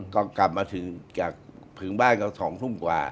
ก็กลับมาถึงจากผืนบ้านก็๒ทุ่มกว่า